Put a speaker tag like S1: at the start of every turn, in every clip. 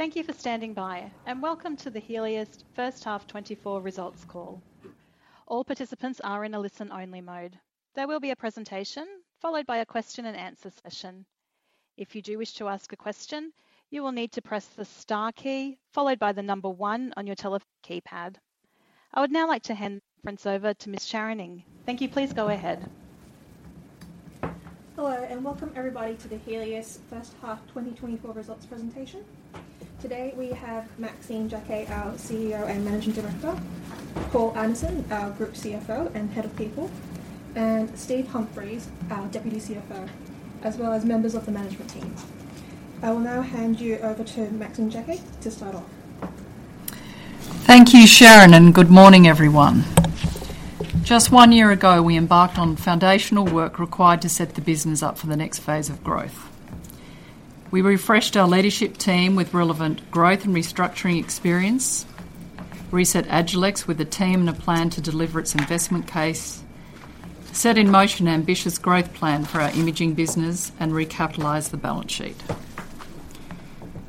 S1: Thank you for standing by and welcome to the Healius H1 2024 results call. All participants are in a listen-only mode. There will be a presentation followed by a question-and-answer session. If you do wish to ask a question, you will need to press the star key followed by the number one on your telephone keypad. I would now like to hand the conference over to Ms. Sharon Ng. Thank you. Please go ahead.
S2: Hello and welcome everybody to the Healius H1 2024 results presentation. Today we have Maxine Jaquet, our CEO and Managing Director, Paul Anderson, our Group CFO and Head of People, and Steve Humphries, our Deputy CFO, as well as members of the management team. I will now hand you over to Maxine Jaquet to start off.
S3: Thank you, Sharon, and good morning, everyone. Just one year ago we embarked on foundational work required to set the business up for the next phase of growth. We refreshed our leadership team with relevant growth and restructuring experience, reset Agilex with a team and a plan to deliver its investment case, set in motion an ambitious growth plan for our imaging business, and recapitalized the balance sheet.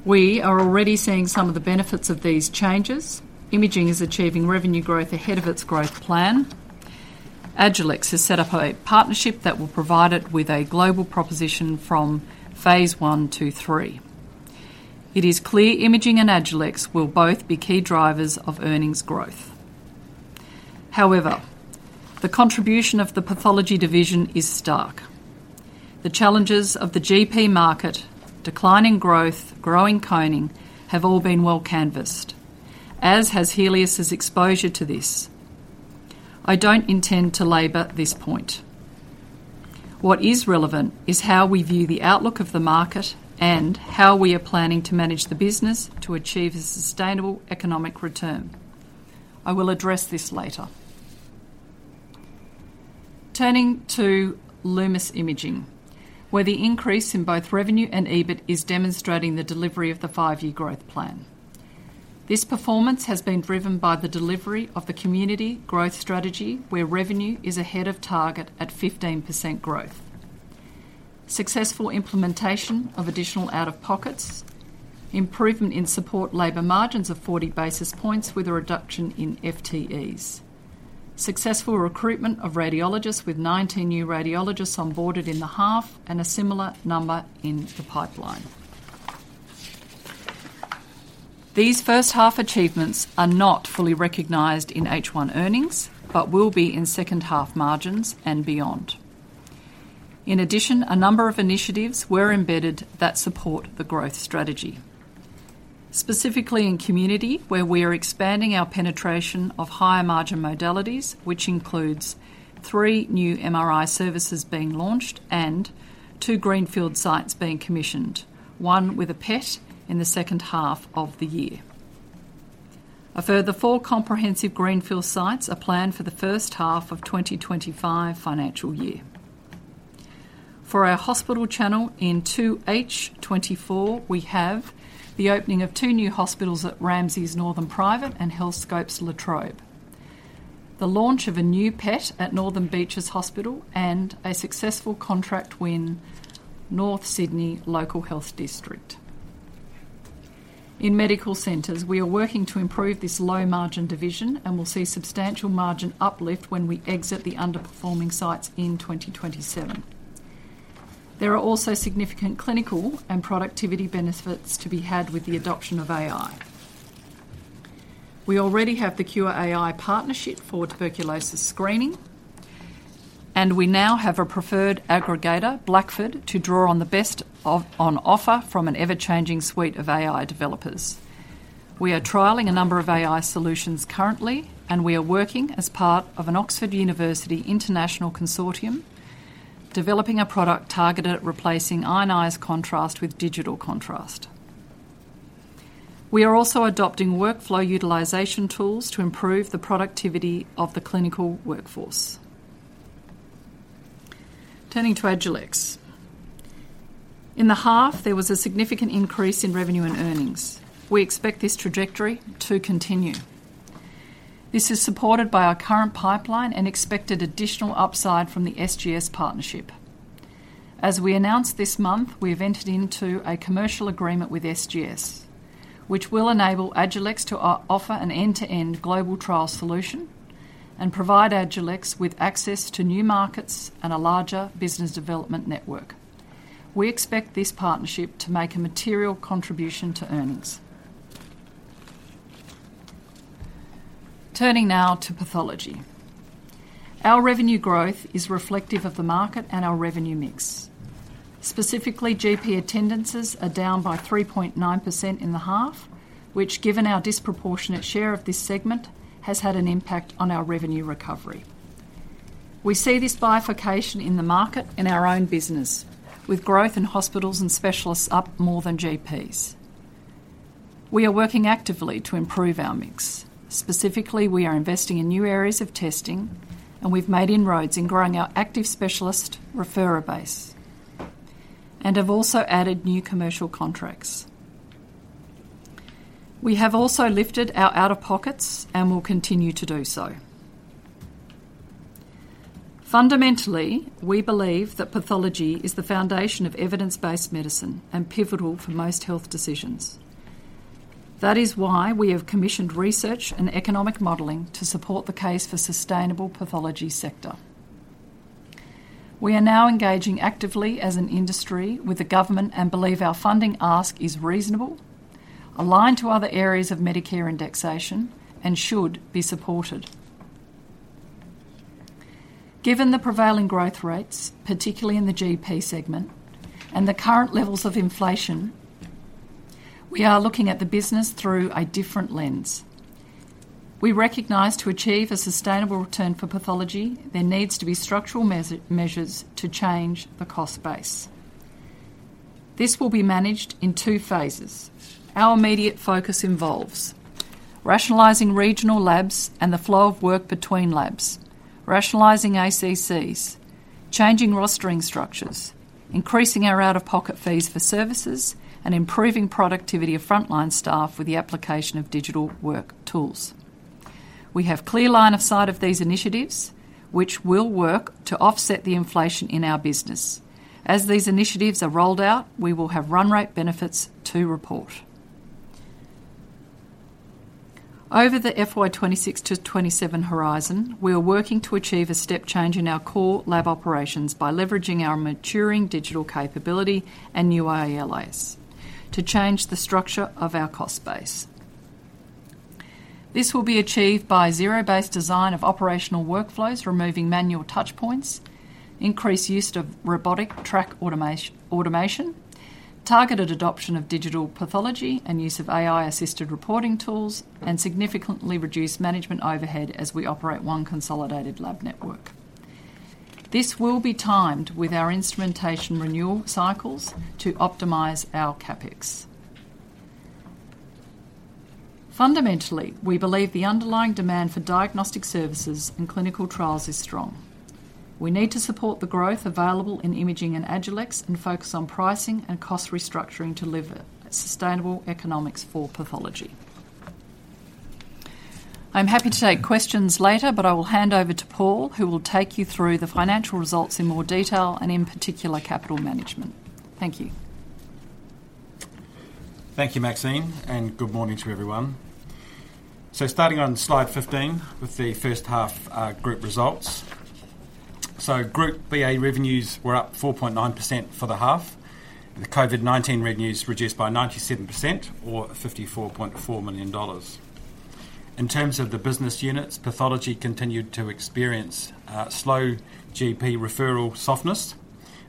S3: We are already seeing some of the benefits of these changes. Imaging is achieving revenue growth ahead of its growth plan. Agilex has set up a partnership that will provide it with a global proposition from phase one to three. It is clear imaging and Agilex will both be key drivers of earnings growth. However, the contribution of the pathology division is stark. The challenges of the GP market, declining growth, growing coning, have all been well canvassed, as has Healius's exposure to this. I don't intend to labor this point. What is relevant is how we view the outlook of the market and how we are planning to manage the business to achieve a sustainable economic return. I will address this later. Turning to Lumus Imaging, where the increase in both revenue and EBIT is demonstrating the delivery of the five-year growth plan. This performance has been driven by the delivery of the community growth strategy, where revenue is ahead of target at 15% growth, successful implementation of additional out-of-pockets, improvement in support labour margins of 40 basis points with a reduction in FTEs, successful recruitment of radiologists with 19 new radiologists onboarded in the half and a similar number in the pipeline. These first-half achievements are not fully recognised in H1 earnings but will be in second-half margins and beyond. In addition, a number of initiatives were embedded that support the growth strategy, specifically in community, where we are expanding our penetration of higher-margin modalities, which includes three new MRI services being launched and two greenfield sites being commissioned—one with a PET in the H2 of the year. A further four comprehensive greenfield sites are planned for the H1 of 2025 financial year. For our hospital channel in 2H24, we have the opening of two new hospitals at Ramsay's Northern Private and Healthscope's Latrobe, the launch of a new PET at Northern Beaches Hospital, and a successful contract win North Sydney Local Health District. In medical centers, we are working to improve this low-margin division and will see substantial margin uplift when we exit the underperforming sites in 2027. There are also significant clinical and productivity benefits to be had with the adoption of AI. We already have the Qure.ai partnership for tuberculosis screening, and we now have a preferred aggregator, Blackford, to draw on the best on offer from an ever-changing suite of AI developers. We are trialing a number of AI solutions currently, and we are working as part of an Oxford University International Consortium developing a product targeted at replacing ionized contrast with digital contrast. We are also adopting workflow utilization tools to improve the productivity of the clinical workforce. Turning to Agilex. In the half, there was a significant increase in revenue and earnings. We expect this trajectory to continue. This is supported by our current pipeline and expected additional upside from the SGS partnership. As we announced this month, we have entered into a commercial agreement with SGS, which will enable Agilex to offer an end-to-end global trial solution and provide Agilex with access to new markets and a larger business development network. We expect this partnership to make a material contribution to earnings. Turning now to pathology. Our revenue growth is reflective of the market and our revenue mix. Specifically, GP attendances are down by 3.9% in the half, which, given our disproportionate share of this segment, has had an impact on our revenue recovery. We see this bifurcation in the market and our own business, with growth in hospitals and specialists up more than GPs. We are working actively to improve our mix. Specifically, we are investing in new areas of testing, and we have made inroads in growing our active specialist referrer base, and have also added new commercial contracts. We have also lifted our out-of-pockets and will continue to do so. Fundamentally, we believe that pathology is the foundation of evidence-based medicine and pivotal for most health decisions. That is why we have commissioned research and economic modeling to support the case for sustainable pathology sector. We are now engaging actively as an industry with the government and believe our funding ask is reasonable, aligned to other areas of Medicare indexation, and should be supported. Given the prevailing growth rates, particularly in the GP segment, and the current levels of inflation, we are looking at the business through a different lens. We recognize to achieve a sustainable return for pathology there needs to be structural measures to change the cost base. This will be managed in two phases. Our immediate focus involves rationalizing regional labs and the flow of work between labs, rationalizing ACCC, changing rostering structures, increasing our out-of-pocket fees for services, and improving productivity of frontline staff with the application of digital work tools. We have a clear line of sight of these initiatives, which will work to offset the inflation in our business. As these initiatives are rolled out, we will have run-rate benefits to report. Over the FY26 to FY27 horizon, we are working to achieve a step change in our core lab operations by leveraging our maturing digital capability and new ILAs to change the structure of our cost base. This will be achieved by a zero-based design of operational workflows, removing manual touchpoints, increased use of robotic track automation, targeted adoption of digital pathology and use of AI-assisted reporting tools, and significantly reduced management overhead as we operate one consolidated lab network. This will be timed with our instrumentation renewal cycles to optimize our CAPEX. Fundamentally, we believe the underlying demand for diagnostic services and clinical trials is strong. We need to support the growth available in imaging and Agilex and focus on pricing and cost restructuring to live at sustainable economics for pathology. I am happy to take questions later, but I will hand over to Paul, who will take you through the financial results in more detail and, in particular, capital management. Thank you.
S4: Thank you, Maxine, and good morning to everyone. Starting on slide 15 with the first-half group results. Group BAU revenues were up 4.9% for the half. The COVID-19 revenues reduced by 97%, or $ 54.4 million. In terms of the business units, pathology continued to experience slow GP referral softness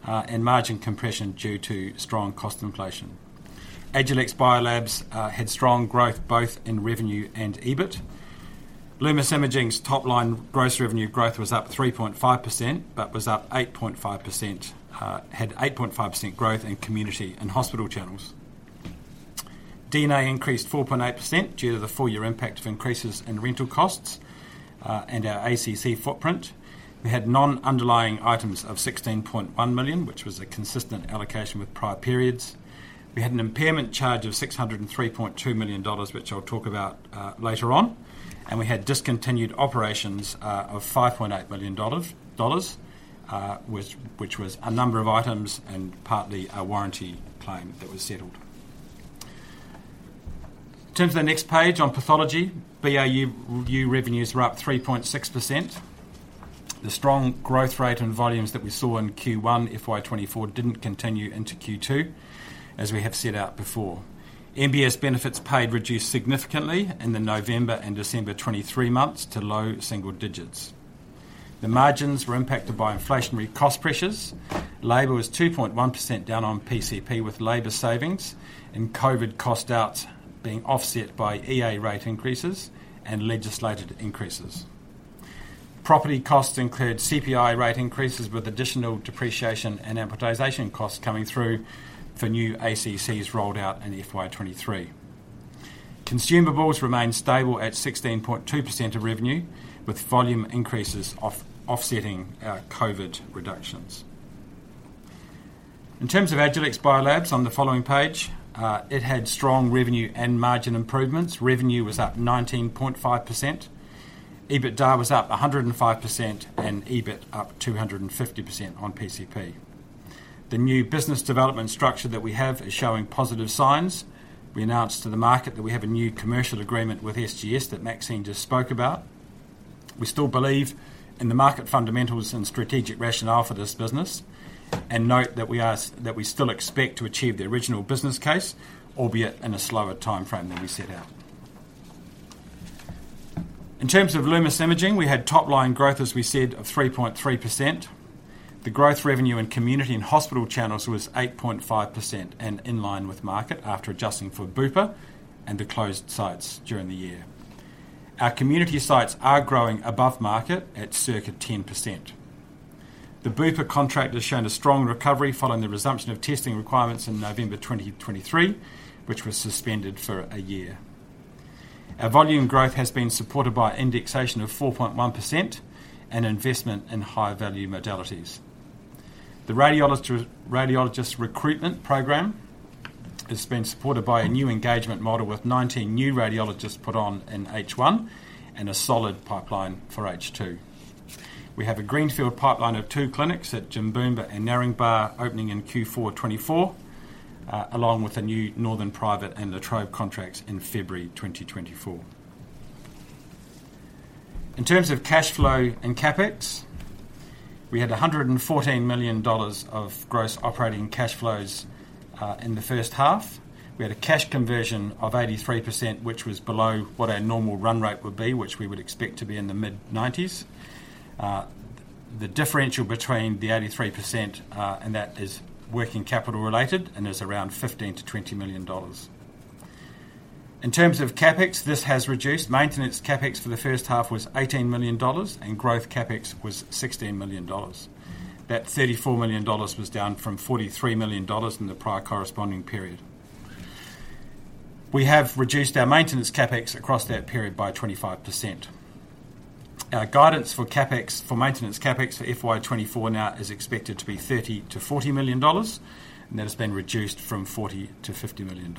S4: and margin compression due to strong cost inflation. Agilex Biolabs had strong growth both in revenue and EBIT. Lumus Imaging's top-line gross revenue growth was up 3.5% but was up 8.5% growth in community and hospital channels. D&A increased 4.8% due to the four-year impact of increases in rental costs and our ACC footprint. We had non-underlying items of $ 16.1 million, which was a consistent allocation with prior periods. We had an impairment charge of $ 603.2 million, which I will talk about later on. We had discontinued operations of $ 5.8 million, which was a number of items and partly a warranty claim that was settled. In terms of the next page on pathology, BAU revenues were up 3.6%. The strong growth rate and volumes that we saw in Q1 FY24 didn't continue into Q2, as we have set out before. MBS benefits paid reduced significantly in the November and December 2023 months to low single digits. The margins were impacted by inflationary cost pressures. Labor was 2.1% down on PCP with labor savings and COVID cost outs being offset by EA rate increases and legislated increases. Property costs included CPI rate increases with additional depreciation and amortization costs coming through for new ACCC rolled out in FY23. Consumables remained stable at 16.2% of revenue, with volume increases offsetting our COVID reductions. In terms of Agilex Biolabs on the following page, it had strong revenue and margin improvements. Revenue was up 19.5%. EBITDA was up 105% and EBIT up 250% on PCP. The new business development structure that we have is showing positive signs. We announced to the market that we have a new commercial agreement with SGS that Maxine just spoke about. We still believe in the market fundamentals and strategic rationale for this business and note that we still expect to achieve the original business case, albeit in a slower timeframe than we set out. In terms of Lumus Imaging, we had top-line growth, as we said, of 3.3%. The growth revenue in community and hospital channels was 8.5% and in line with market after adjusting for Bupa and the closed sites during the year. Our community sites are growing above market at circa 10%. The Bupa contract has shown a strong recovery following the resumption of testing requirements in November 2023, which was suspended for a year. Our volume growth has been supported by indexation of 4.1% and investment in higher-value modalities. The radiologist recruitment program has been supported by a new engagement model with 19 new radiologists put on in H1 and a solid pipeline for H2. We have a greenfield pipeline of two clinics at Dakabin and Narangba opening in Q4 2024, along with the new Northern Private and Latrobe contracts in February 2024. In terms of cash flow and CAPEX, we had $ 114 million of gross operating cash flows in the H1. We had a cash conversion of 83%, which was below what our normal run-rate would be, which we would expect to be in the mid-90s. The differential between the 83% and that is working capital related and is around $ 15-$20 million. In terms of CapEx, this has reduced. Maintenance CapEx for the H1 was $18 million and growth CapEx was $ 16 million. That $ 34 million was down from $ 43 million in the prior corresponding period. We have reduced our maintenance CapEx across that period by 25%. Our guidance for maintenance CapEx for FY2024 now is expected to be $ 30-$40 million, and that has been reduced from $ 40-$50 million.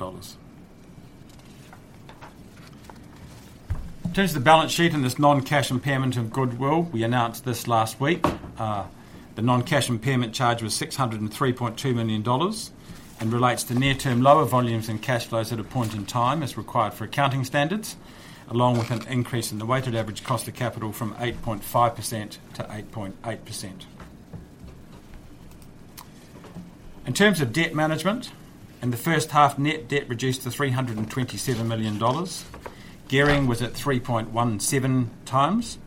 S4: In terms of the balance sheet and this non-cash impairment in goodwill, we announced this last week. The non-cash impairment charge was $ 603.2 million and relates to near-term lower volumes and cash flows at a point in time as required for accounting standards, along with an increase in the weighted average cost of capital from 8.5%-8.8%. In terms of debt management, in the H1, net debt reduced to $ 327 million. Gearing was at 3.17x.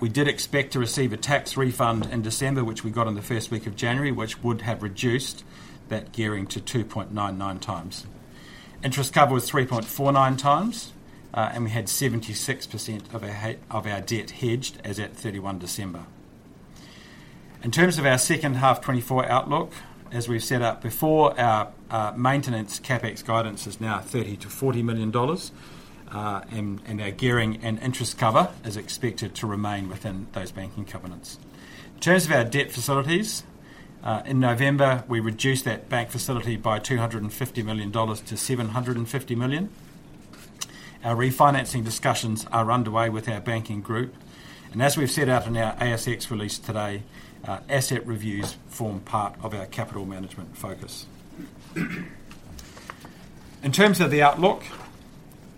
S4: We did expect to receive a tax refund in December, which we got in the first week of January, which would have reduced that gearing to 2.99 times. Interest cover was 3.49x, and we had 76% of our debt hedged as at 31 December. In terms of our second-half 2024 outlook, as we have set out before, our maintenance CAPEX guidance is now $30 million-$ 40 million, and our gearing and interest cover is expected to remain within those banking covenants. In terms of our debt facilities, in November, we reduced that bank facility by $ 250 million to $ 750 million. Our refinancing discussions are underway with our banking group, and as we have set out in our ASX release today, asset reviews form part of our capital management focus. In terms of the outlook,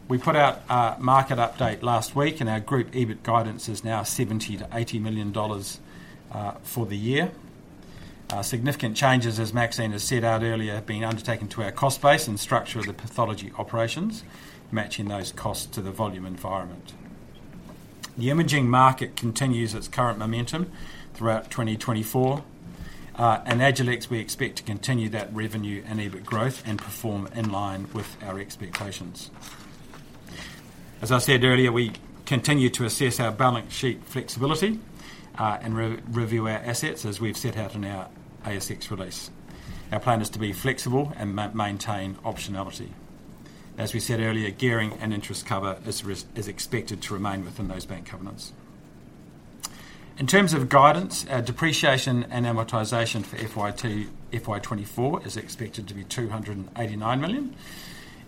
S4: we put out a market update last week, and our group EBIT guidance is now $ 70 million-$80 million for the year. Significant changes, as Maxine has set out earlier, have been undertaken to our cost base and structure of the pathology operations, matching those costs to the volume environment. The imaging market continues its current momentum throughout 2024, and Agilex, we expect to continue that revenue and EBIT growth and perform in line with our expectations. As I said earlier, we continue to assess our balance sheet flexibility and review our assets, as we have set out in our ASX release. Our plan is to be flexible and maintain optionality. As we said earlier, gearing and interest cover is expected to remain within those bank covenants. In terms of guidance, our depreciation and amortization for FY24 is expected to be $ 289 million.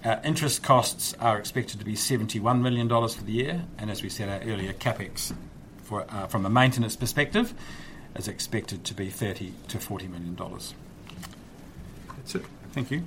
S4: Our interest costs are expected to be $ 71 million for the year, and as we said earlier, CAPEX from a maintenance perspective is expected to be $ 30 million-$ 40 million. That's it. Thank you.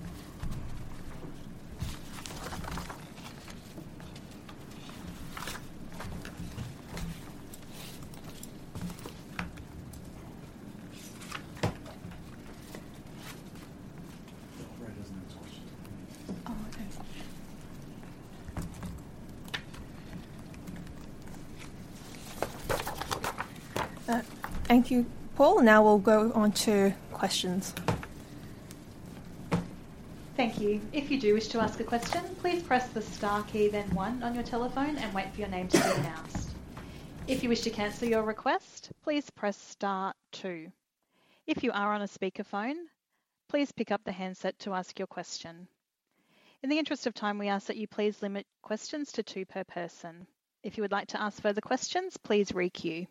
S2: Thank you, Paul. Now we'll go on to questions.
S1: Thank you. If you do wish to ask a question, please press the star key, then one, on your telephone and wait for your name to be announced. If you wish to cancel your request, please press star two. If you are on a speakerphone, please pick up the handset to ask your question. In the interest of time, we ask that you please limit questions to two per person. If you would like to ask further questions, please requeue.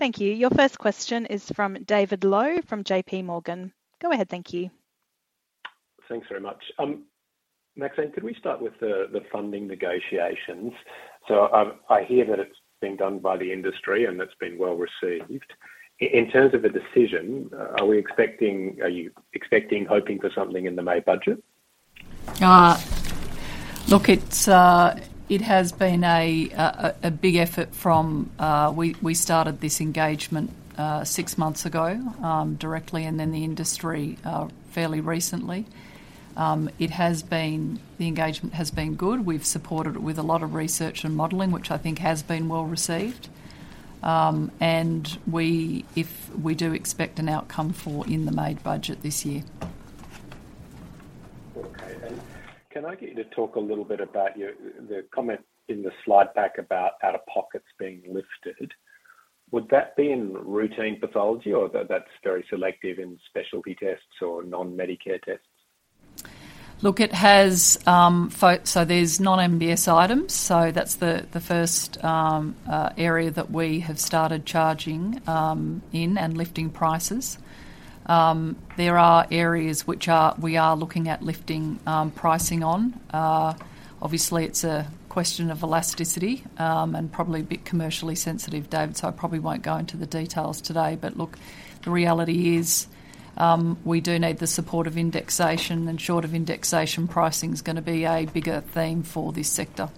S1: Thank you. Your first question is from David Low from JP Morgan. Go ahead, thank you.
S5: Thanks very much. Maxine, could we start with the funding negotiations? So I hear that it's been done by the industry and it's been well received. In terms of the decision, are you expecting, hoping for something in the May budget?
S3: Look, it has been a big effort from we started this engagement six months ago directly and then the industry fairly recently. The engagement has been good. We've supported it with a lot of research and modeling, which I think has been well received. We do expect an outcome for in the May budget this year.
S5: Okay. And can I get you to talk a little bit about the comment in the slide deck about out-of-pockets being lifted? Would that be in routine pathology or that's very selective in specialty tests or non-Medicare tests?
S3: Look, it has so there's non-MBS items. So that's the first area that we have started charging in and lifting prices. There are areas which we are looking at lifting pricing on. Obviously, it's a question of elasticity and probably a bit commercially sensitive, David, so I probably won't go into the details today. But look, the reality is we do need the support of indexation, and short of indexation, pricing is going to be a bigger theme for this sector.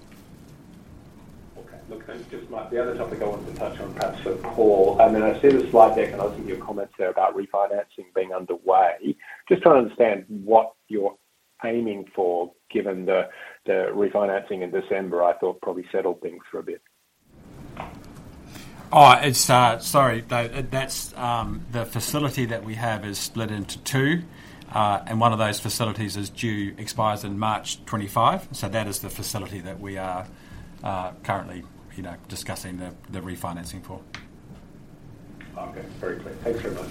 S5: Okay. Look, and just the other topic I wanted to touch on, perhaps for Paul. I mean, I see the slide back, and I was thinking of your comments there about refinancing being underway. Just trying to understand what you're aiming for, given the refinancing in December. I thought, probably settled things for a bit.
S4: Oh, it's sorry, David. The facility that we have is split into two, and one of those facilities is due, expires in March 2025. So that is the facility that we are currently discussing the refinancing for.
S5: Okay. Very clear. Thanks very much.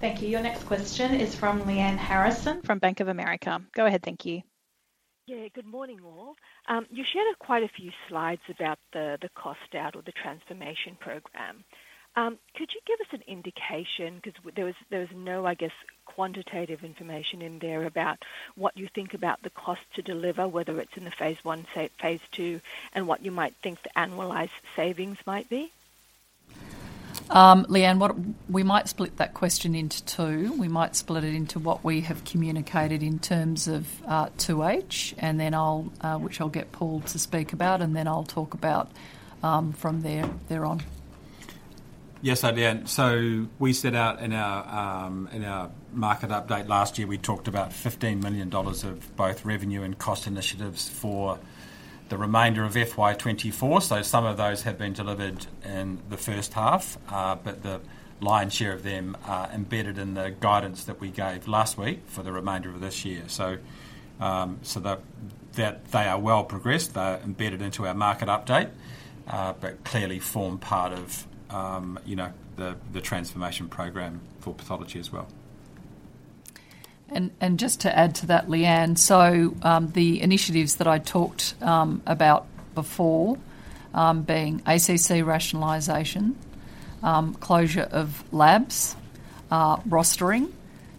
S1: Thank you. Your next question is from Lyanne Harrison from Bank of America. Go ahead, thank you.
S6: Yeah. Good morning, all. You shared quite a few slides about the cost out or the transformation program. Could you give us an indication because there was no, I guess, quantitative information in there about what you think about the cost to deliver, whether it's in the phase one, phase two, and what you might think the annualized savings might be?
S3: Lyanne, we might split that question into two. We might split it into what we have communicated in terms of 2H, which I'll get Paul to speak about, and then I'll talk about from there on.
S4: Yes, I did. So we set out in our market update last year, we talked about $ 15 million of both revenue and cost initiatives for the remainder of FY24. So some of those have been delivered in the H1, but the lion's share of them are embedded in the guidance that we gave last week for the remainder of this year. So they are well progressed. They're embedded into our market update but clearly form part of the transformation program for pathology as well.
S3: And just to add to that, Lyanne, so the initiatives that I talked about before being ACC rationalization, closure of labs, rostering,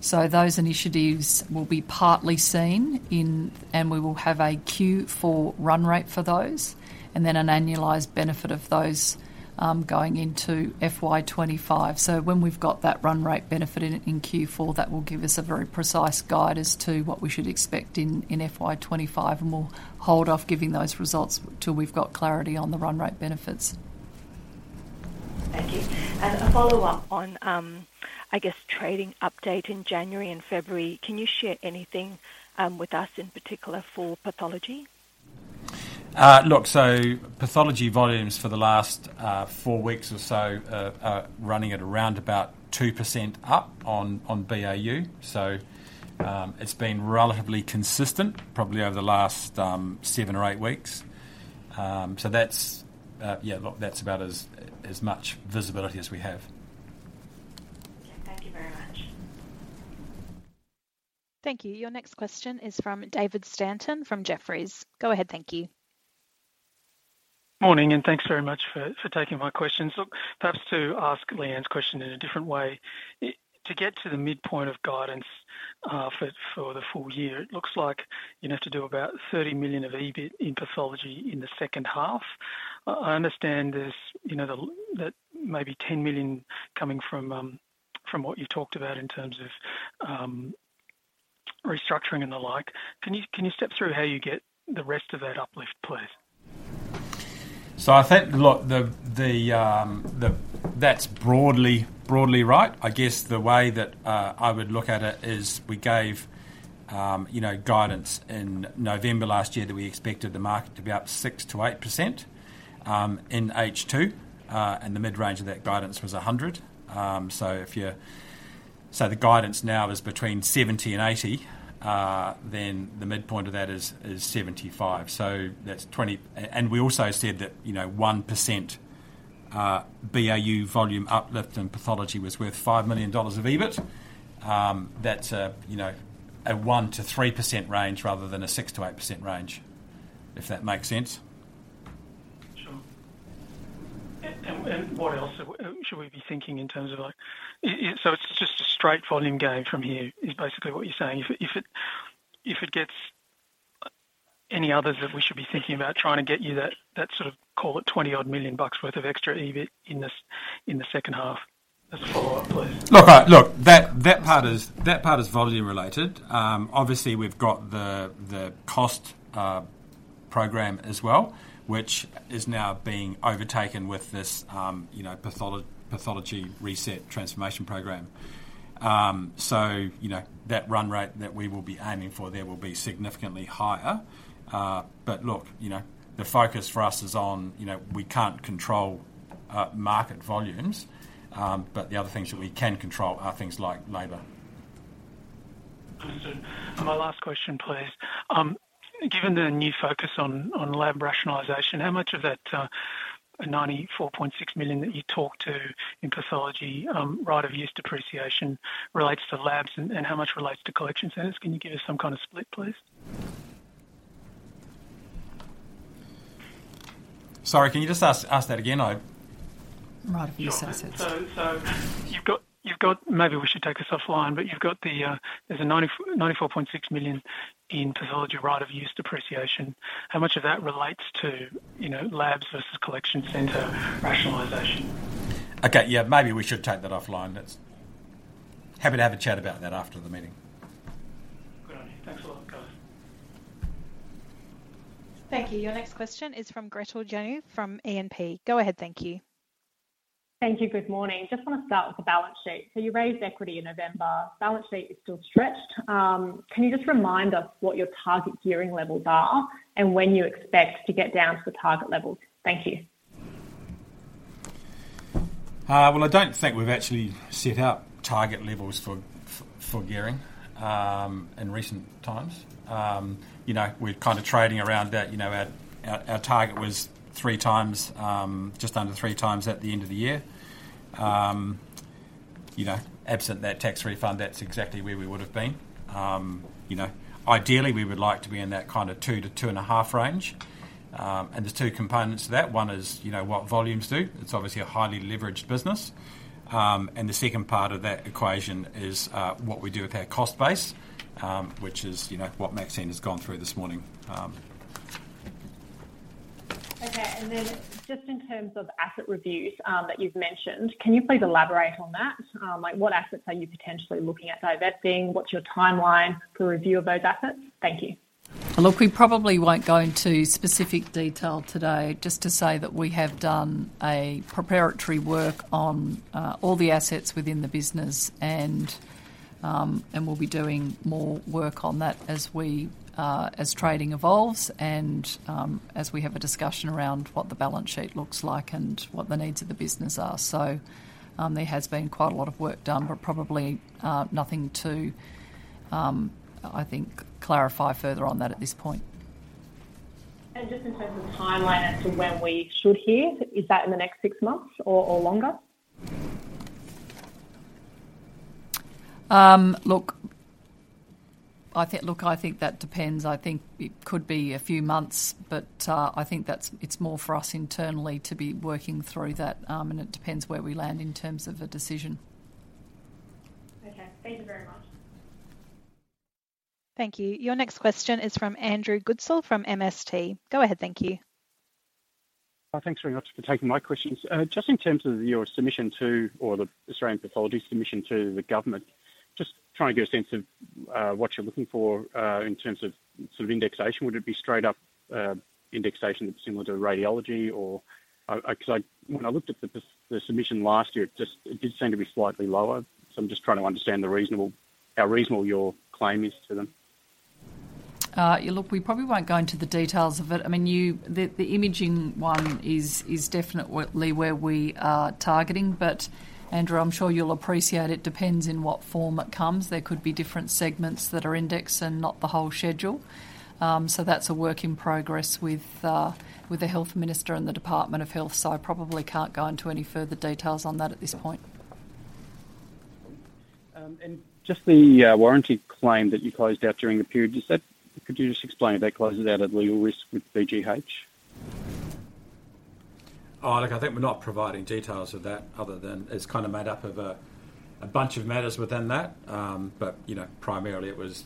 S3: so those initiatives will be partly seen, and we will have a Q4 run-rate for those, and then an annualized benefit of those going into FY25. So when we've got that run-rate benefit in Q4, that will give us a very precise guide as to what we should expect in FY25, and we'll hold off giving those results until we've got clarity on the run-rate benefits.
S6: Thank you. A follow-up on, I guess, trading update in January and February, can you share anything with us in particular for pathology?
S4: Look, so pathology volumes for the last 4 weeks or so are running at around about 2% up on BAU. So it's been relatively consistent, probably over the last 7 or 8 weeks. So yeah, look, that's about as much visibility as we have.
S6: Okay. Thank you very much.
S1: Thank you. Your next question is from David Stanton from Jefferies. Go ahead, thank you.
S7: Morning, and thanks very much for taking my questions. Look, perhaps to ask Lyanne's question in a different way, to get to the midpoint of guidance for the full year, it looks like you'd have to do about $ 30 million of EBIT in pathology in the H2. I understand there's maybe $ 10 million coming from what you've talked about in terms of restructuring and the like. Can you step through how you get the rest of that uplift, please?
S4: So I think, look, that's broadly right. I guess the way that I would look at it is we gave guidance in November last year that we expected the market to be up 6%-8% in H2, and the mid-range of that guidance was 100. So the guidance now is between 70-80, then the midpoint of that is 75. And we also said that 1% BAU volume uplift in pathology was worth $ 5 million of EBIT. That's a 1%-3% range rather than a 6%-8% range, if that makes sense.
S7: Sure. What else should we be thinking in terms of so it's just a straight volume game from here, is basically what you're saying. If it gets any others that we should be thinking about trying to get you that sort of, call it, $ 20-odd million worth of extra EBIT in the H2 as a follow-up, please?
S4: Look, that part is volume related. Obviously, we've got the cost program as well, which is now being overtaken with this pathology reset transformation program. So that run-rate that we will be aiming for there will be significantly higher. But look, the focus for us is on we can't control market volumes, but the other things that we can control are things like labor.
S7: Understood. My last question, please. Given the new focus on lab rationalization, how much of that $ 94.6 million that you talked to in pathology, right-of-use depreciation, relates to labs, and how much relates to collection centers? Can you give us some kind of split, please?
S4: Sorry, can you just ask that again?
S3: Right-of-use assets.
S7: Yeah. So you've got, maybe we should take us offline, but you've got, there's a $ 94.6 million in pathology right-of-use depreciation. How much of that relates to labs versus collection center rationalization?
S4: Okay. Yeah, maybe we should take that offline. Happy to have a chat about that after the meeting.
S7: Good on you. Thanks a lot, guys.
S1: Thank you. Your next question is from Gretel Janu from UBS. Go ahead, thank you.
S8: Thank you. Good morning. Just want to start with the balance sheet. So you raised equity in November. Balance sheet is still stretched. Can you just remind us what your target gearing levels are and when you expect to get down to the target levels? Thank you.
S4: Well, I don't think we've actually set out target levels for gearing in recent times. We're kind of trading around that. Our target was just under 3x at the end of the year. Absent that tax refund, that's exactly where we would have been. Ideally, we would like to be in that kind of 2-2.5 range. And there's two components to that. One is what volumes do. It's obviously a highly leveraged business. And the second part of that equation is what we do with our cost base, which is what Maxine has gone through this morning.
S8: Okay. And then just in terms of asset reviews that you've mentioned, can you please elaborate on that? What assets are you potentially looking at divesting? What's your timeline for review of those assets? Thank you.
S3: Look, we probably won't go into specific detail today, just to say that we have done a preparatory work on all the assets within the business, and we'll be doing more work on that as trading evolves and as we have a discussion around what the balance sheet looks like and what the needs of the business are. So there has been quite a lot of work done, but probably nothing to, I think, clarify further on that at this point.
S8: Just in terms of timeline as to when we should hear, is that in the next six months or longer?
S3: Look, I think that depends. I think it could be a few months, but I think it's more for us internally to be working through that, and it depends where we land in terms of a decision.
S8: Okay. Thank you very much.
S1: Thank you. Your next question is from Andrew Goodsall from MST. Go ahead, thank you.
S9: Thanks very much for taking my questions. Just in terms of your submission to or the Australian Pathology Submission to the Government, just trying to get a sense of what you're looking for in terms of sort of indexation, would it be straight-up indexation similar to radiology? Because when I looked at the submission last year, it did seem to be slightly lower. So I'm just trying to understand how reasonable your claim is to them.
S3: Look, we probably won't go into the details of it. I mean, the imaging one is definitely where we are targeting, but Andrew, I'm sure you'll appreciate, it depends in what form it comes. There could be different segments that are indexed and not the whole schedule. That's a work in progress with the Health Minister and the Department of Health, so I probably can't go into any further details on that at this point.
S9: Just the warranty claim that you closed out during the period, could you just explain if that closes out at legal risk with BGH?
S4: Look, I think we're not providing details of that other than it's kind of made up of a bunch of matters within that, but primarily it was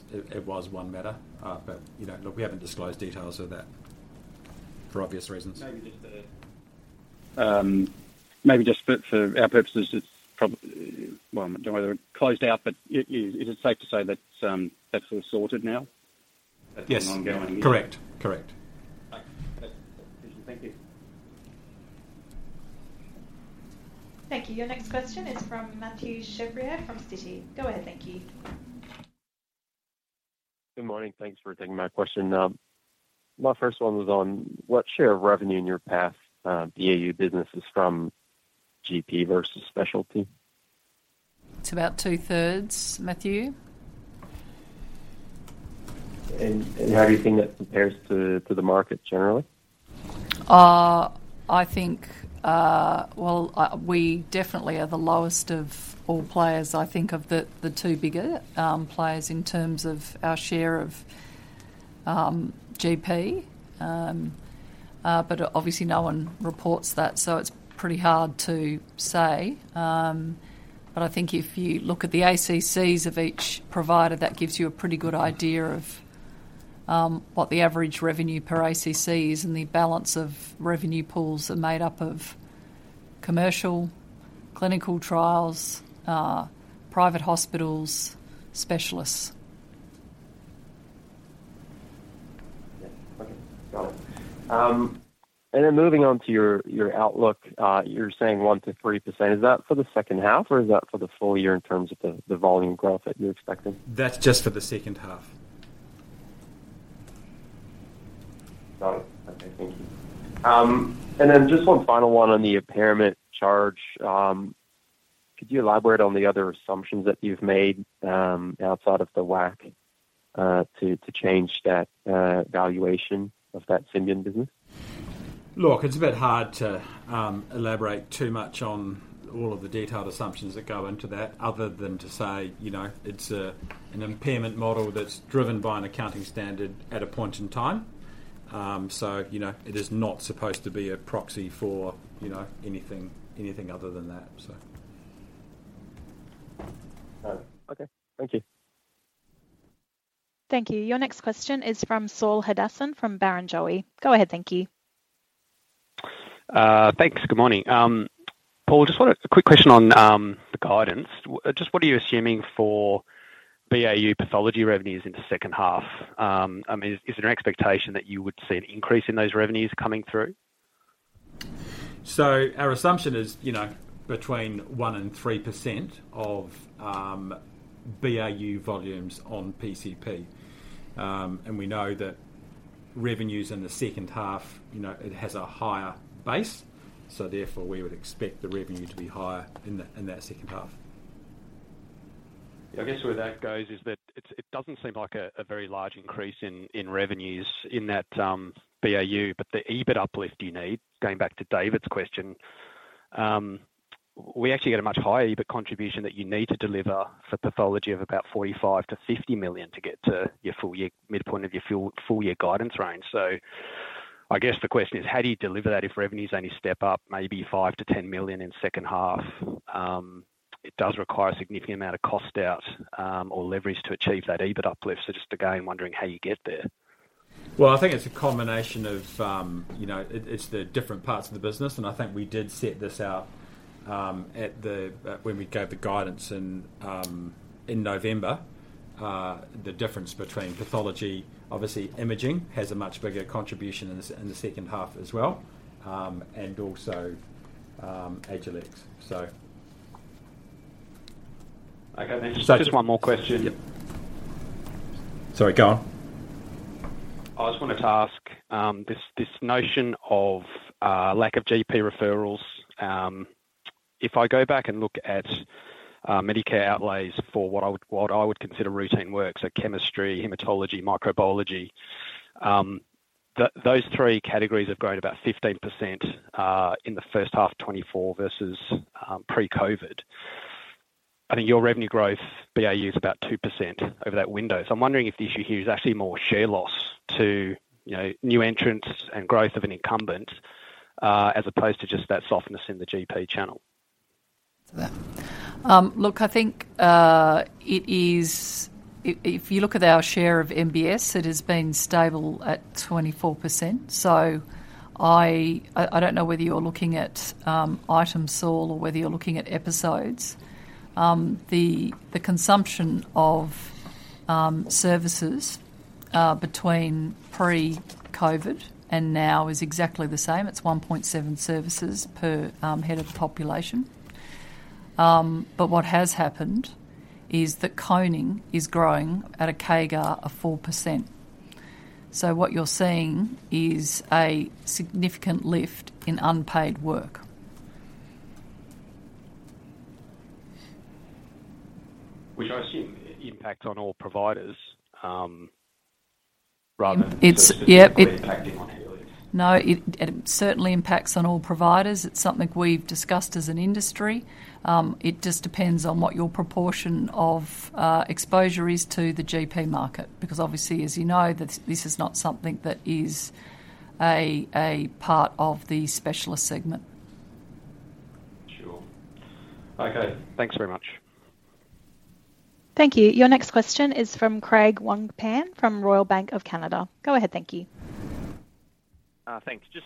S4: one matter. But look, we haven't disclosed details of that for obvious reasons.
S9: Maybe just for our purposes, it's well, I don't know whether it closed out, but is it safe to say that's all sorted now?
S4: Yes.
S9: That's an ongoing issue?
S4: Correct. Correct.
S9: Okay. That's sufficient. Thank you.
S1: Thank you. Your next question is from Mathieu Chevrier from Citi. Go ahead, thank you.
S10: Good morning. Thanks for taking my question. My first one was on what share of revenue in your past BAU business is from GP versus specialty?
S3: It's about 2/3, Mathieu.
S10: How do you think that compares to the market generally?
S3: Well, we definitely are the lowest of all players, I think, of the two bigger players in terms of our share of GP. But obviously, no one reports that, so it's pretty hard to say. But I think if you look at the ACCC of each provider, that gives you a pretty good idea of what the average revenue per ACC is and the balance of revenue pools are made up of commercial, clinical trials, private hospitals, specialists.
S10: Okay. Got it. And then moving on to your outlook, you're saying 1%-3%. Is that for the H2, or is that for the full year in terms of the volume growth that you're expecting?
S4: That's just for the H2.
S10: Got it. Okay. Thank you. And then just one final one on the impairment charge. Could you elaborate on the other assumptions that you've made outside of the WACC to change that valuation of that Symbion business?
S4: Look, it's a bit hard to elaborate too much on all of the detailed assumptions that go into that other than to say it's an impairment model that's driven by an accounting standard at a point in time. So it is not supposed to be a proxy for anything other than that, so.
S5: Got it. Okay. Thank you.
S1: Thank you. Your next question is from Saul Hadassin from Barrenjoey. Go ahead, thank you.
S11: Thanks. Good morning. Paul, just a quick question on the guidance. Just what are you assuming for BAU pathology revenues in the H2? I mean, is there an expectation that you would see an increase in those revenues coming through?
S4: Our assumption is between 1% and 3% of BAU volumes on PCP. We know that revenues in the H2, it has a higher base, so therefore, we would expect the revenue to be higher in that H2.
S11: Yeah. I guess where that goes is that it doesn't seem like a very large increase in revenues in that BAU, but the EBIT uplift you need, going back to David's question, we actually get a much higher EBIT contribution that you need to deliver for pathology of about $ 45 million-$ 50 million to get to your full year midpoint of your full year guidance range. So I guess the question is, how do you deliver that if revenues only step up maybe $ 5 million-$ 10 million in H2? It does require a significant amount of cost out or leverage to achieve that EBIT uplift. So just again, wondering how you get there.
S4: Well, I think it's a combination of the different parts of the business, and I think we did set this out when we gave the guidance in November, the difference between pathology. Obviously, imaging has a much bigger contribution in the H2 as well and also Agilex, so.
S11: Okay. Thanks. Just one more question.
S4: Sorry. Go on.
S11: I just wanted to ask this notion of lack of GP referrals. If I go back and look at Medicare outlays for what I would consider routine work, so chemistry, hematology, microbiology, those three categories have grown about 15% in the H1 2024 versus pre-COVID. I think your revenue growth, BAU, is about 2% over that window. So I'm wondering if the issue here is actually more share loss to new entrants and growth of an incumbent as opposed to just that softness in the GP channel.
S3: Look, I think it is. If you look at our share of MBS, it has been stable at 24%. So I don't know whether you're looking at items, Saul, or whether you're looking at episodes. The consumption of services between pre-COVID and now is exactly the same. It's 1.7 services per head of the population. But what has happened is that coning is growing at a CAGR of 4%. So what you're seeing is a significant lift in unpaid work.
S11: Which I assume impacts on all providers rather than just impacting on health.
S3: No, it certainly impacts on all providers. It's something we've discussed as an industry. It just depends on what your proportion of exposure is to the GP market because obviously, as you know, this is not something that is a part of the specialist segment.
S11: Sure. Okay. Thanks very much.
S1: Thank you. Your next question is from Craig Wong-Pan from Royal Bank of Canada. Go ahead, thank you.
S12: Thanks. Just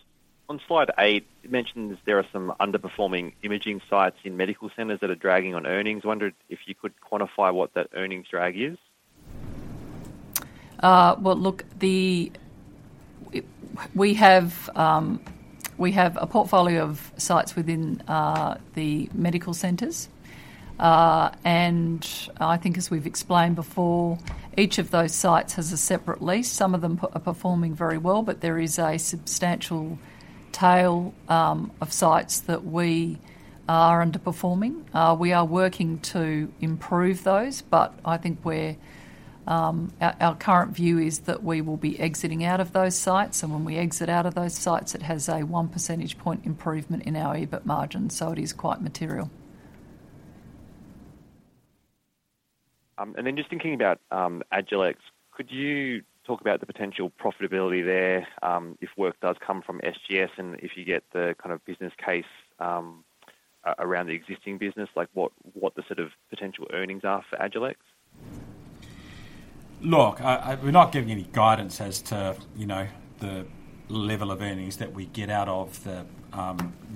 S12: on slide 8, it mentions there are some underperforming imaging sites in medical centers that are dragging on earnings. Wondered if you could quantify what that earnings drag is?
S3: Well, look, we have a portfolio of sites within the medical centres. And I think, as we've explained before, each of those sites has a separate lease. Some of them are performing very well, but there is a substantial tail of sites that we are underperforming. We are working to improve those, but I think our current view is that we will be exiting out of those sites. And when we exit out of those sites, it has a 1 percentage point improvement in our EBIT margin, so it is quite material.
S12: And then just thinking about Agilex, could you talk about the potential profitability there if work does come from SGS and if you get the kind of business case around the existing business, what the sort of potential earnings are for Agilex?
S4: Look, we're not giving any guidance as to the level of earnings that we get out of the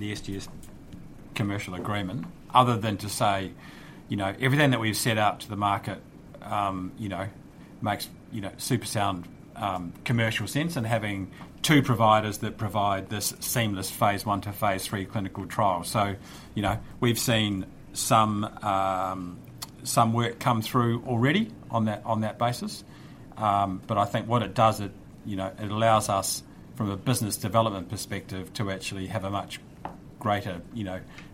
S4: SGS commercial agreement other than to say everything that we've set out to the market makes super sound commercial sense and having two providers that provide this seamless phase one to phase three clinical trial. So we've seen some work come through already on that basis. But I think what it does, it allows us, from a business development perspective, to actually have a much greater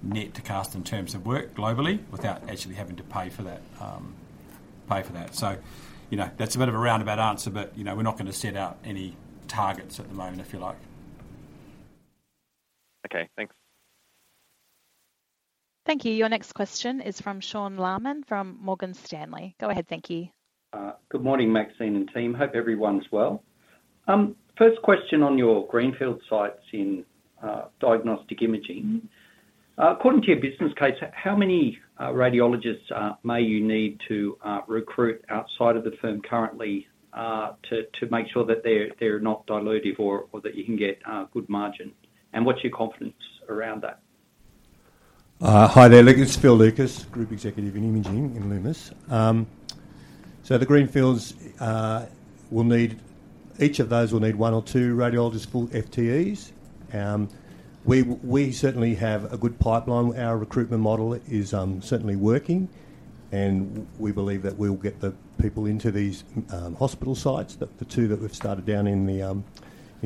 S4: net to cast in terms of work globally without actually having to pay for that. So that's a bit of a roundabout answer, but we're not going to set out any targets at the moment, if you like.
S12: Okay. Thanks.
S1: Thank you. Your next question is from Sean Laaman from Morgan Stanley. Go ahead, thank you.
S13: Good morning, Maxine and team. Hope everyone's well. First question on your Greenfield sites in diagnostic imaging. According to your business case, how many radiologists may you need to recruit outside of the firm currently to make sure that they're not dilutive or that you can get a good margin, and what's your confidence around that?
S14: Hi there. It's Phil Lucas, Group Executive, Imaging at Lumus. So the Greenfields will need each of those will need one or two radiologists, full FTEs. We certainly have a good pipeline. Our recruitment model is certainly working, and we believe that we'll get the people into these hospital sites, the two that we've started down in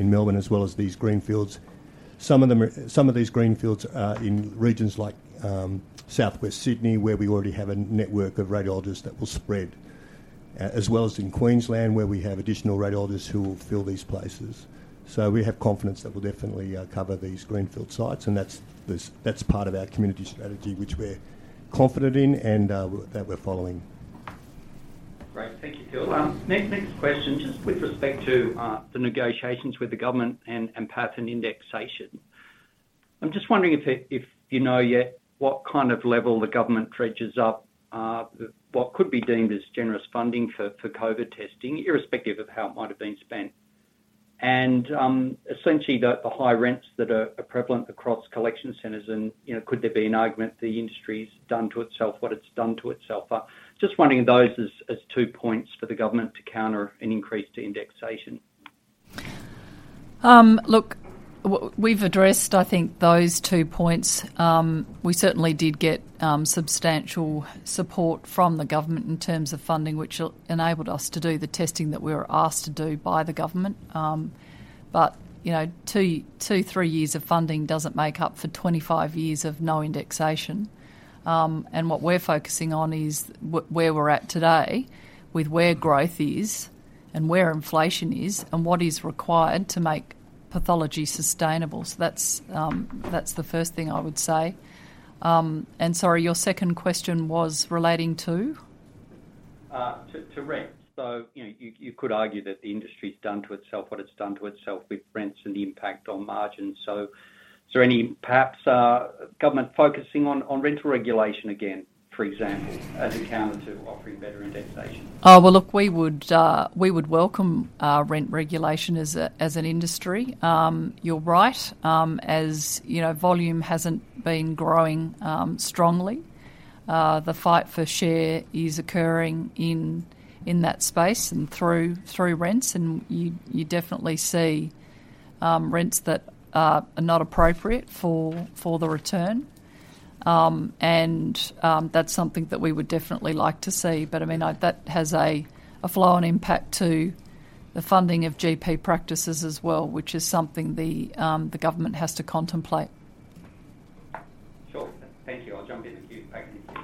S14: Melbourne as well as these Greenfields. Some of these Greenfields are in regions like southwest Sydney where we already have a network of radiologists that will spread, as well as in Queensland where we have additional radiologists who will fill these places. So we have confidence that we'll definitely cover these Greenfield sites, and that's part of our community strategy, which we're confident in and that we're following.
S13: Great. Thank you, Phil. Next question, just with respect to the negotiations with the government and PATH and indexation. I'm just wondering if you know yet what kind of level the government dredges up, what could be deemed as generous funding for COVID testing, irrespective of how it might have been spent, and essentially the high rents that are prevalent across collection centres. And could there be an argument the industry's done to itself, what it's done to itself? Just wondering those as two points for the government to counter an increase to indexation.
S3: Look, we've addressed, I think, those two points. We certainly did get substantial support from the government in terms of funding, which enabled us to do the testing that we were asked to do by the government. But 2-3 years of funding doesn't make up for 25 years of no indexation. And what we're focusing on is where we're at today with where growth is and where inflation is and what is required to make pathology sustainable. So that's the first thing I would say. And sorry, your second question was relating to?
S13: To rents. So you could argue that the industry's done to itself what it's done to itself with rents and the impact on margins. So is there any, perhaps, government focusing on rental regulation again, for example, as a counter to offering better indexation?
S3: Oh, well, look, we would welcome rent regulation as an industry. You're right. As volume hasn't been growing strongly, the fight for share is occurring in that space and through rents. You definitely see rents that are not appropriate for the return. That's something that we would definitely like to see. I mean, that has a flow-on impact to the funding of GP practices as well, which is something the government has to contemplate.
S13: Sure. Thank you. I'll jump in the queue. Peg, thank you.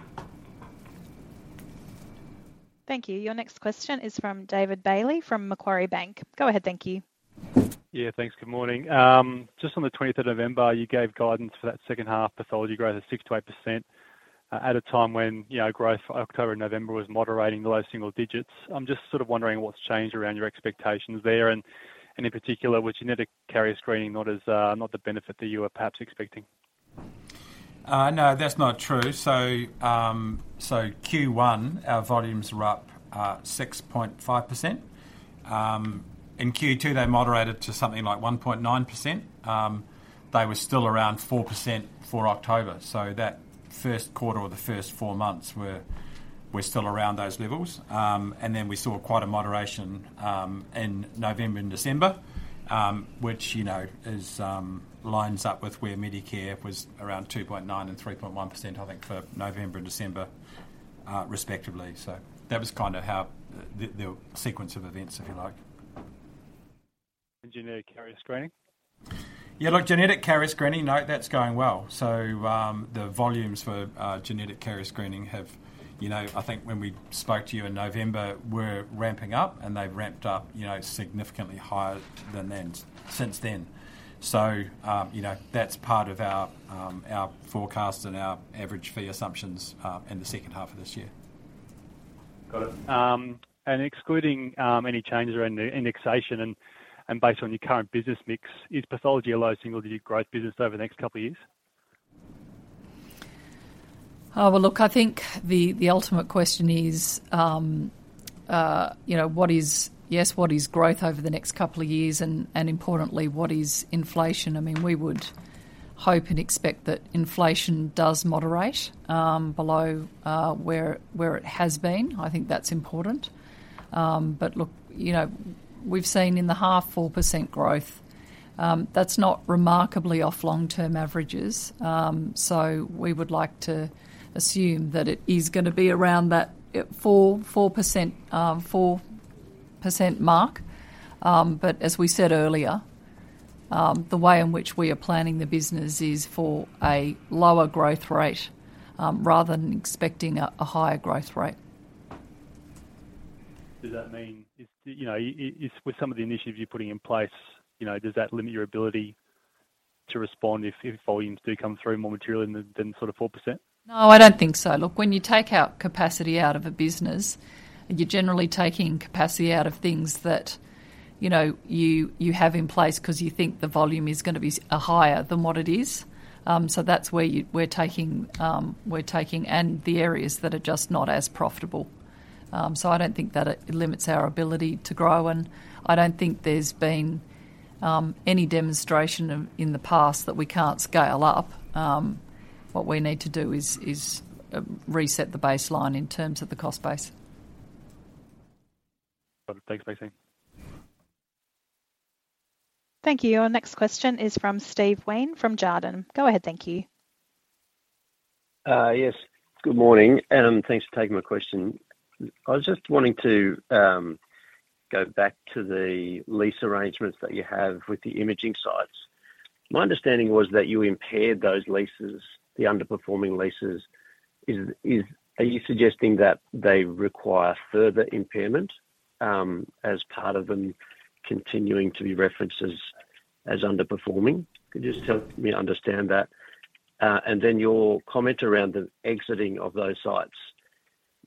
S1: Thank you. Your next question is from David Bailey from Macquarie Bank. Go ahead, thank you.
S15: Yeah. Thanks. Good morning. Just on the 23rd of November, you gave guidance for that H2 pathology growth of 6%-8% at a time when growth October and November was moderating, low single digits. I'm just sort of wondering what's changed around your expectations there and in particular with genetic carrier screening, not the benefit that you were perhaps expecting?
S4: No, that's not true. So Q1, our volumes were up 6.5%. In Q2, they moderated to something like 1.9%. They were still around 4% for October. So that first quarter or the first four months, we're still around those levels. And then we saw quite a moderation in November and December, which lines up with where Medicare was around 2.9% and 3.1%, I think, for November and December, respectively. So that was kind of the sequence of events, if you like.
S15: Genetic carrier screening?
S4: Yeah. Look, genetic carrier screening, no, that's going well. So the volumes for genetic carrier screening have—I think when we spoke to you in November—we're ramping up, and they've ramped up significantly higher since then. So that's part of our forecast and our average fee assumptions in the H2 of this year.
S15: Got it. And excluding any changes around indexation and based on your current business mix, is pathology a low single digit growth business over the next couple of years?
S3: Oh, well, look, I think the ultimate question is, yes, what is growth over the next couple of years? And importantly, what is inflation? I mean, we would hope and expect that inflation does moderate below where it has been. I think that's important. But look, we've seen in the half 4% growth. That's not remarkably off long-term averages. So we would like to assume that it is going to be around that 4% mark. But as we said earlier, the way in which we are planning the business is for a lower growth rate rather than expecting a higher growth rate.
S15: Does that mean with some of the initiatives you're putting in place, does that limit your ability to respond if volumes do come through more materially than sort of 4%?
S3: No, I don't think so. Look, when you take capacity out of a business, you're generally taking capacity out of things that you have in place because you think the volume is going to be higher than what it is. So that's where we're taking and the areas that are just not as profitable. So I don't think that it limits our ability to grow. And I don't think there's been any demonstration in the past that we can't scale up. What we need to do is reset the baseline in terms of the cost base.
S15: Got it. Thanks, Maxine.
S1: Thank you. Your next question is from Steve Wheen from Jarden. Go ahead, thank you.
S16: Yes. Good morning. Thanks for taking my question. I was just wanting to go back to the lease arrangements that you have with the imaging sites. My understanding was that you impaired those leases, the underperforming leases. Are you suggesting that they require further impairment as part of them continuing to be referenced as underperforming? Could you just help me understand that? And then your comment around the exiting of those sites,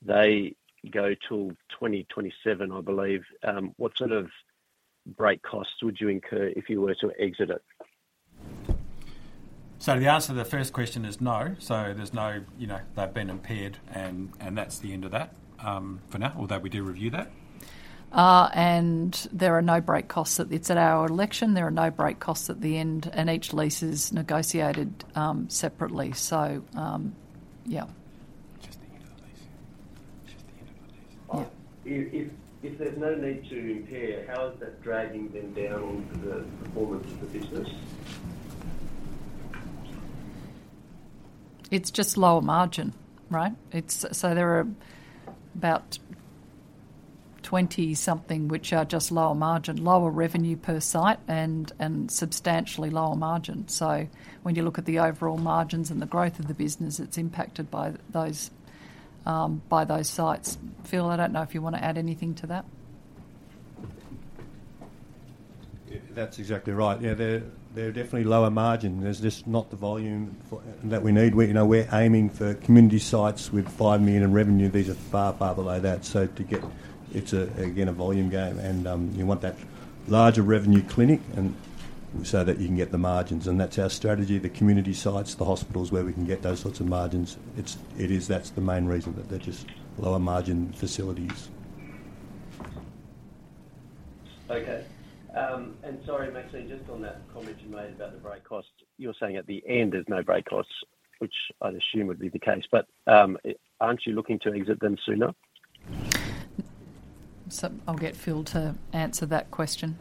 S16: they go till 2027, I believe. What sort of break costs would you incur if you were to exit it?
S4: So the answer to the first question is no. So there's no, they've been impaired, and that's the end of that for now, although we do review that.
S3: There are no break costs. It's at our election. There are no break costs at the end. Each lease is negotiated separately. So yeah.
S4: Just the end of the lease. Just the end of the lease.
S16: Yeah. If there's no need to impair, how is that dragging them down onto the performance of the business?
S3: It's just lower margin, right? So there are about 20-something which are just lower margin, lower revenue per site and substantially lower margin. So when you look at the overall margins and the growth of the business, it's impacted by those sites. Phil, I don't know if you want to add anything to that.
S14: That's exactly right. Yeah, they're definitely lower margin. There's just not the volume that we need. We're aiming for community sites with $ 5 million in revenue. These are far, far below that. So it's, again, a volume game. And you want that larger revenue clinic so that you can get the margins. And that's our strategy, the community sites, the hospitals where we can get those sorts of margins. That's the main reason, that they're just lower margin facilities.
S16: Okay. And sorry, Maxine, just on that comment you made about the break costs, you were saying at the end there's no break costs, which I'd assume would be the case. But aren't you looking to exit them sooner?
S3: I'll get Phil to answer that question.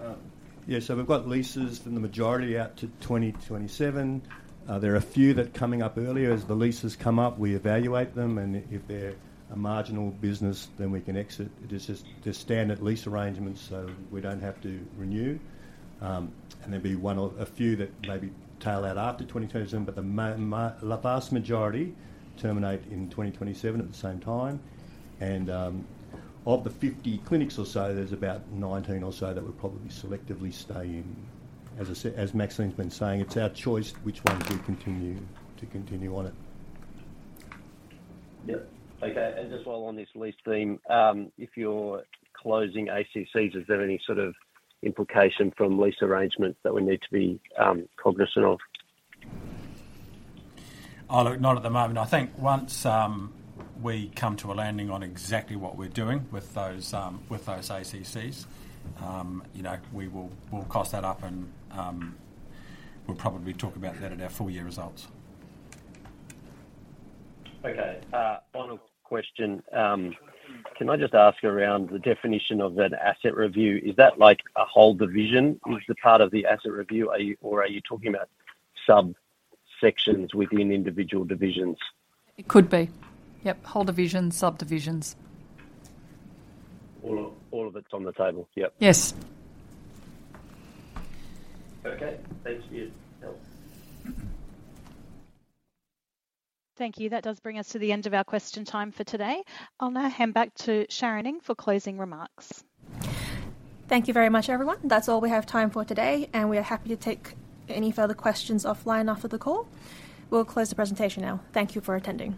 S14: Yeah. So we've got leases for the majority out to 2027. There are a few that are coming up earlier. As the leases come up, we evaluate them. And if they're a marginal business, then we can exit. They're standard lease arrangements so we don't have to renew. And there'll be a few that maybe tail out after 2027, but the vast majority terminate in 2027 at the same time. And of the 50 clinics or so, there's about 19 or so that would probably selectively stay in. As Maxine's been saying, it's our choice which ones we continue on it.
S16: Yep. Okay. And just while on this lease theme, if you're closing ACCC, is there any sort of implication from lease arrangements that we need to be cognizant of?
S4: Oh, look, not at the moment. I think once we come to a landing on exactly what we're doing with those ACCC, we'll cost that up, and we'll probably talk about that at our full-year results.
S16: Okay. Final question. Can I just ask around the definition of an asset review? Is that like a whole division is the part of the asset review, or are you talking about subsections within individual divisions?
S3: It could be. Yep. Whole divisions, subdivisions.
S16: All of it's on the table. Yep.
S3: Yes.
S16: Okay. Thanks, Ian. Helen?
S1: Thank you. That does bring us to the end of our question time for today. I'll now hand back to Sharon Ng for closing remarks.
S2: Thank you very much, everyone. That's all we have time for today, and we are happy to take any further questions offline after the call. We'll close the presentation now. Thank you for attending.